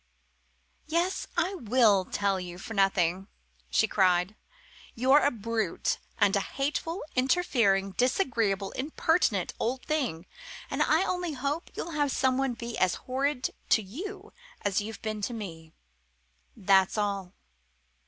"Yes, I will tell you for nothing," she cried. "You're a brute, and a hateful, interfering, disagreeable, impertinent old thing, and I only hope you'll have someone be as horrid to you as you've been to me, that's all!"